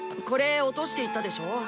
これ落としていったでしょ？